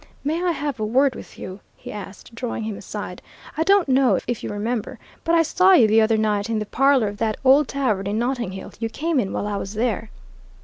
"May I have a word with you?" he asked, drawing him aside. "I don't know if you remember, but I saw you the other night in the parlour of that old tavern in Notting Hill you came in while I was there?"